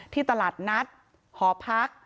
ที่ตลาดนัดหอพัก